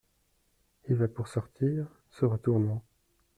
Il va pour sortir… se retournant.